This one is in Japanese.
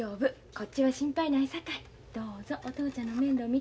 こっちは心配ないさかいどうぞお父ちゃんの面倒見てあげて。